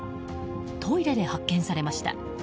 トイレで発見されました。